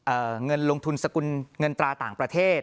เงินลงทุนสกุลเงินตราต่างประเทศ